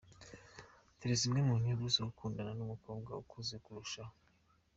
Dore zimwe mu nyungu zo gukundana n’umukobwa ukuze kukurusha.